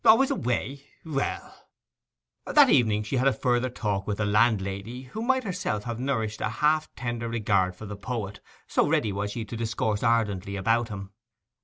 'Always away? Well ...' That evening she had a further talk with the landlady, who might herself have nourished a half tender regard for the poet, so ready was she to discourse ardently about him.